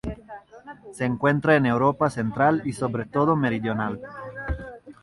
Se encuentra en Europa central y sobre todo meridional.